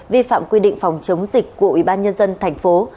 vi phạm quy định phòng chống dịch của ủy ban nhân dân thành phố